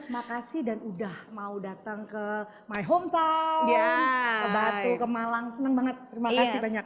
makasih dan udah mau datang ke my home time ke batu ke malang senang banget terima kasih banyak